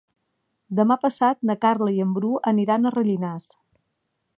Demà passat na Carla i en Bru aniran a Rellinars.